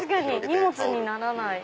荷物にならない。